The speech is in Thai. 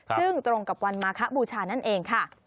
ซึ่งตรงกับวันมาคบูชานั่นเองค่ะ